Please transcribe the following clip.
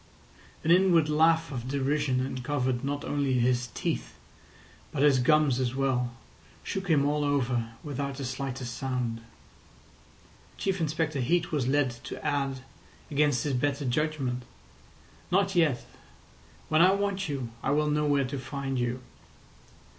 An inward laugh of derision uncovered not only his teeth but his gums as well, shook him all over, without the slightest sound. Chief Inspector Heat was led to add, against his better judgment: "Not yet. When I want you I will know where to find you."